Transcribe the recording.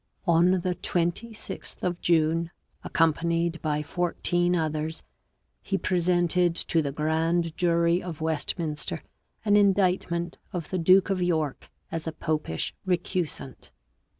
On the 26th of June, accompanied by fourteen others, he presented to the grand jury of Westminster an indictment of the duke of York as a Popish recusant.